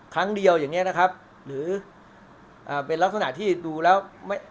ครั้งเดียวอย่างเงี้ยนะครับหรืออ่าเป็นลักษณะที่ดูแล้วไม่